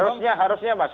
harusnya harusnya mas